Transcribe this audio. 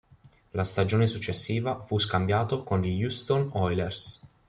La stagione successiva fu scambiato con gli Houston Oilers.